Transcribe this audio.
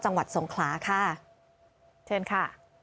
จังหวัดสงขลาค่ะเชิญค่ะ